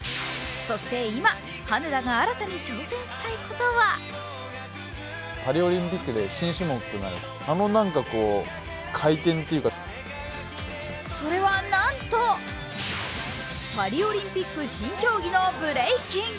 そして今、羽根田が新たに挑戦したいことはそれはなんと、パリオリンピック新競技のブレイキン。